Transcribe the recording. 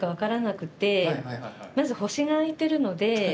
まず星が空いてるので。